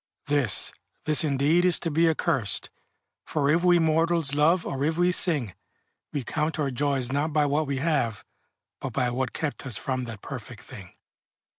This, this indeed is to be accursed, For if we mortals love, or if we sing, We count our joys not by what we have, But by what kept us from that perfect thing.